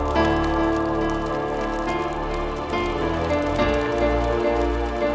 baiklah sekarang aku harus pergi